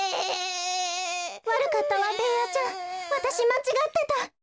わるかったわベーヤちゃんわたしまちがってた。